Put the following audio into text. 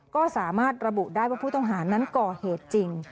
ก็สามารถระบุได้ว่าผู้ต้องหานั้นก่อเหตุจริง